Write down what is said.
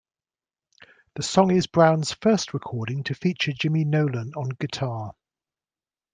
The song is Brown's first recording to feature Jimmy Nolen on guitar.